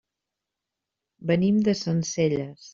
Venim de Sencelles.